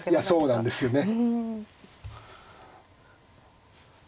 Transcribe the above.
そうなんですよね。